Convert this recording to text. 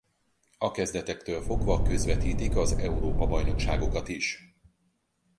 A kezdetektől fogva közvetítik az Európa-bajnokságokat is.